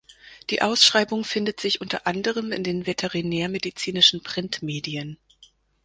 Die Ausschreibung findet sich unter anderem in den veterinärmedizinischen Printmedien.